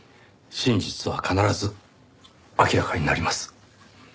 真実は必ず明らかになります。